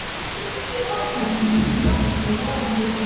მიიჩნევა იუგოსლავიის ერთ-ერთ საუკეთესო ფეხბურთელად.